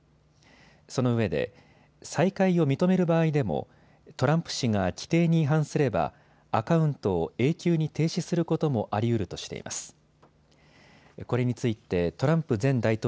そのうえで再開を認める場合でもトランプ氏が規定に違反すればアカウントを永久に停止することもありうるとしています。